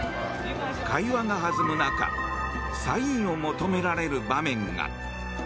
会話が弾む中サインを求められる場面が。